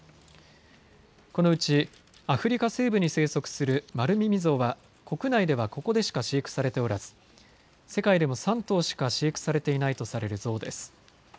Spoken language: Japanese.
このうちアフリカ西部に生息するマルミミゾウは国内ではここでしか飼育されておらず世界でも３頭しか飼育されていないとされるゾウです。